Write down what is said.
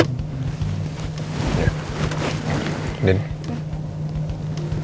bener gak ada yang lupa